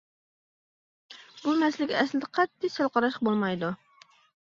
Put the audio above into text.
بۇ مەسىلىگە ئەسلىدە قەتئىي سەل قاراشقا بولمايدۇ.